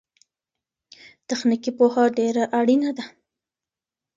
تخنيکي پوهه ډېره اړينه ده.